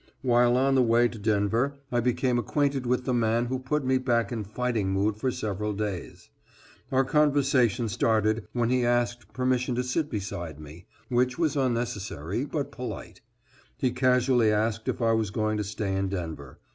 While on the way to Denver I became acquainted with the man who put me back in fighting mood for several days. Our conversation started when he asked permission to sit beside me, which was unnecessary, but polite. He casually asked if I was going to stay in Denver.